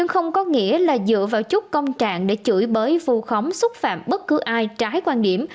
không có nghĩa là dựa vào chút công trạng để chửi bới vù khống xúc phạm bất cứ ai trái quan điểm